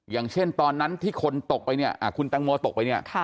อย่างเช่นตอนนั้นที่คนตกไปเนี่ยคุณแตงโมตกไปเนี่ย